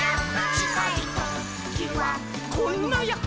「ちかいときはこんなヤッホ」